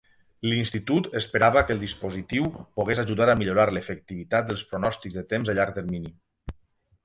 L'Institut esperava que el dispositiu pogués ajudar a millorar l'efectivitat dels pronòstics de temps a llarg termini.